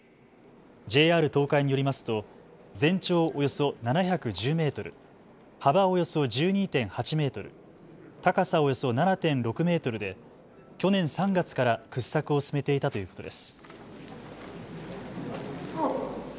ＪＲ東海によりますと全長およそ７１０メートル、幅およそ１２．８メートル、高さおよそ７．６メートルで去年３月から掘削を進めていたということです。